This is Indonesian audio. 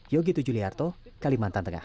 yogi tujuliarto kalimantan tengah